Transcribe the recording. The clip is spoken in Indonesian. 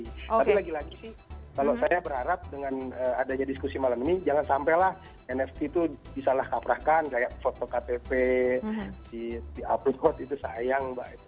tapi lagi lagi sih kalau saya berharap dengan adanya diskusi malam ini jangan sampelah nft itu disalahkaprahkan kayak foto ktp di upload itu sayang